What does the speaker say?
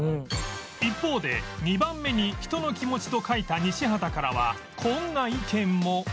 一方で２番目に「人の気持ち」と書いた西畑からはこんな意見も